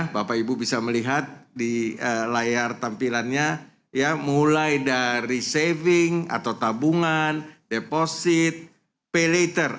bapak ibu bisa melihat di layar tampilannya mulai dari saving atau tabungan deposit pay later